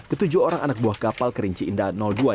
ketujuh orang anak buah kapal kerinci indah dua